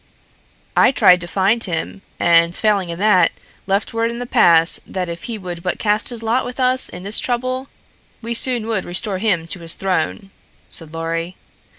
"I tried to find him, and, failing in that, left word in the pass that if he would but cast his lot with us in this trouble we soon would restore him to his throne," said Lorry.